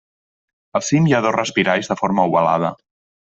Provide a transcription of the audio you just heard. Al cim hi ha dos respiralls de forma ovalada.